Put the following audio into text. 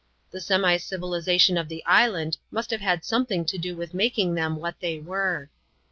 The semi dyilisation of the island must have had sometldng to do with making them what they were.